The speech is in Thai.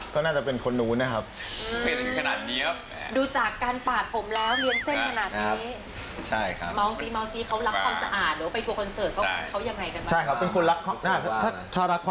คือปกติเป็นวงที่ชอบออกกำลังกายอยู่แล้ว